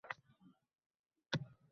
Qoʻli loy-tuproqqa belangandi